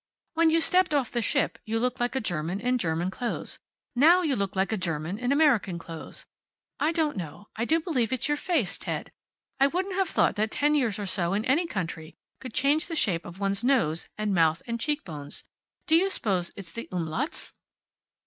"When you stepped off the ship you looked like a German in German clothes. Now you look like a German in American clothes. I don't know I do believe it's your face, Ted. I wouldn't have thought that ten years or so in any country could change the shape of one's nose, and mouth and cheekbones. Do you suppose it's the umlauts?"